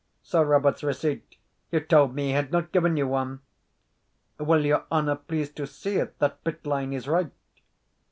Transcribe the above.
Sir Robert's receipt! You told me he had not given you one." "Will your honour please to see if that bit line is right?"